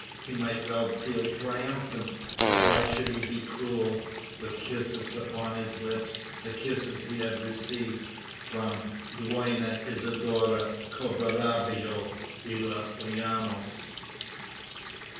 He might well feel triumphant; but why should he be cruel, with kisses upon his lips the kisses he had received from the Dona Isidora Covarubio de los Llanos?